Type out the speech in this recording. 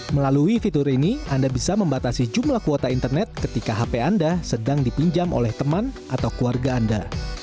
melalui fitur ini anda bisa membatasi jumlah kuota internet ketika hp anda sedang dipinjam oleh teman atau keluarga anda